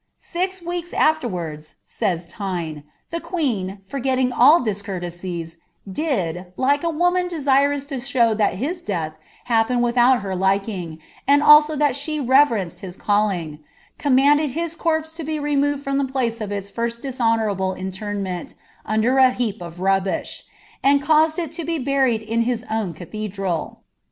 "Six weeks afterwards," says Thynoe, "ihi queen, forgetting all discourtesies, did (like a woman deairaiu to sbov that his death happened without her lilung, and also that she revcregad his callmg) command his corpse to be removed from the place of IB first dishonourable interment under a heap of rubbish, and crniMd U H be buried in his own cathedral."